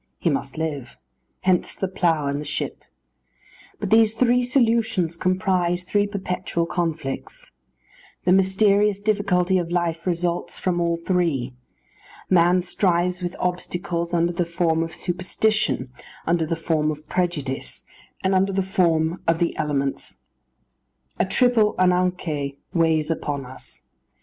He must live; hence the plough and the ship. But these three solutions comprise three perpetual conflicts. The mysterious difficulty of life results from all three. Man strives with obstacles under the form of superstition, under the form of prejudice, and under the form of the elements. A triple [Greek: anagkê] weighs upon us.